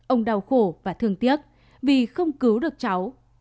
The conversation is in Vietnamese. ông đau khổ và thương tiếc vì không cứu được cháu